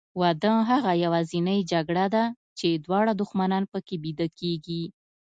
واده هغه یوازینۍ جګړه ده چې دواړه دښمنان پکې بیده کېږي.